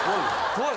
怖い。